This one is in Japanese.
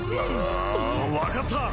ああわかった！